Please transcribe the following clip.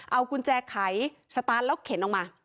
เอากุญแจไขสตาร์ทแล้วเข็นออกมา